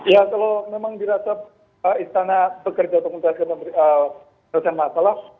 ya kalau memang dirasa istana bekerja untuk menjelaskan masalah